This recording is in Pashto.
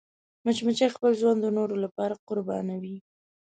مچمچۍ خپل ژوند د نورو لپاره قربانوي